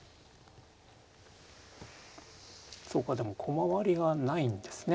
そうかでも駒割りがないんですね。